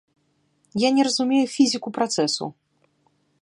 Я не разумею фізіку працэсу.